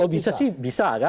kalau bisa sih bisa kan